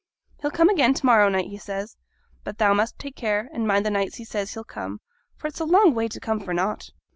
'He'll come again to morrow night, he says. But thou must take care, and mind the nights he says he'll come, for it's a long way to come for nought.'